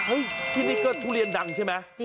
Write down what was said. ที่นี่ก็ทุเรียนดังใช่ไหม